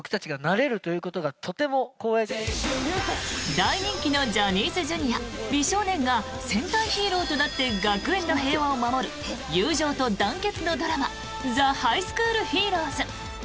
大人気のジャニーズＪｒ．美少年が戦隊ヒーローとなって学園の平和を守る友情と団結のドラマ「ザ・ハイスクールヒーローズ」。